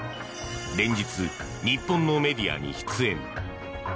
連日、日本のメディアに出演。